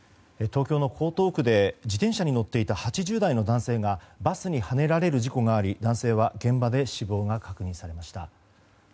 東京の江東区で自転車に乗っていた８０代の男性がバスにはねられる事故があり男性は現場で死亡が確認されました。